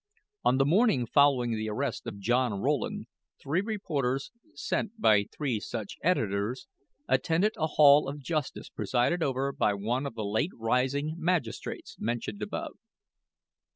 On the morning following the arrest of John Rowland, three reporters, sent by three such editors, attended a hall of justice presided over by one of the late rising magistrates mentioned above.